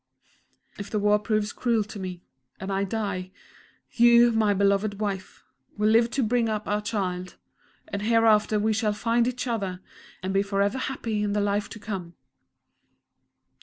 "If the war proves cruel to me and I die you, my beloved Wife, will live to bring up our Child; and hereafter we shall find each other, and be forever happy in the life to come!"